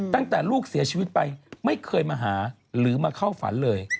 ตั้งแต่ลูกเสียชีวิตไปไม่เคยมาหาหรือมาเข้าฝันเลย